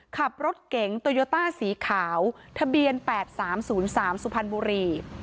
ขับรถเก๋งโตโยต้าสีขาวทะเบียนแปดสามศูนย์สามสุพรรณบุรี